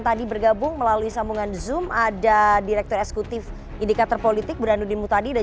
tadi bergabung melalui sambungan zoom ada direktur eksekutif indikator politik burhanuddin mutadi dan